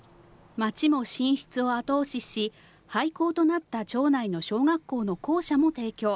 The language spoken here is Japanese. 町も進出を後押しし、廃校となった町内の小学校の校舎も提供。